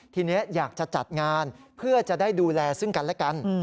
ทีนี้อยากจะจัดงานเพื่อจะได้ดูแลซึ่งกันและกัน